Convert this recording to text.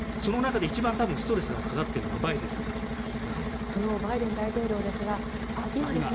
その中で一番ストレスがかかっているのはバイデン大統領と思います。